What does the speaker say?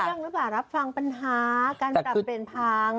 ตั้งจากเรื่องรับฟังปัญฐาการปรับเปลี่ยนภัง